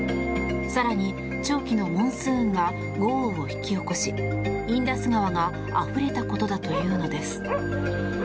更に長期のモンスーンが豪雨を引き起こし、インダス川があふれたことだというのです。